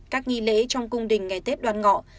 các nghi lễ trong cung đình ngày tết đoàn ngọ